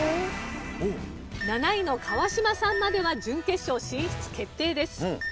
７位の川島さんまでは準決勝進出決定です。